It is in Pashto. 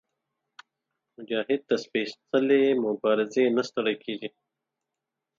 مجاهد د سپېڅلې مبارزې نه ستړی کېږي.